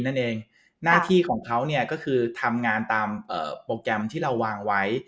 นั่นเองหน้าที่ของเขาเนี่ยก็คือทำงานตามโปรแกรมที่เราวางไว้